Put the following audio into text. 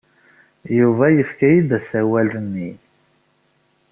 Yuba yefka-iyi-d asawal-nni.